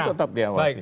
itu tetap diawasi